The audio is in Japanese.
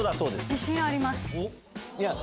自信あります。